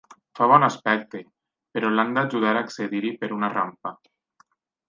Fa bon aspecte, però l'han d'ajudar a accedir-hi per una rampa.